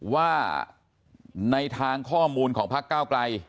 ว่าในทางข้อมูลของพักเก้าไกล